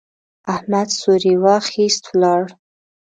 احمد څوری واخيست، ولاړ.